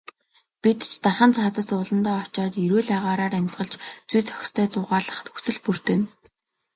Бид ч дархан цаазат ууландаа очоод эрүүл агаараар амьсгалж, зүй зохистой зугаалах нөхцөл бүрдэнэ.